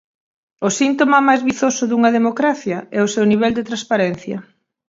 O síntoma máis vizoso dunha democracia é o seu nivel de transparencia.